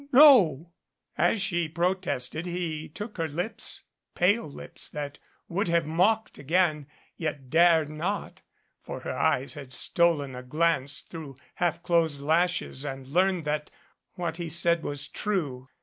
"N no!" As she protested he took her lips, pale lips that would have mocked again, yet dared not, for her eyes had stolen a glance through half closed lashes and learned that what he said was true.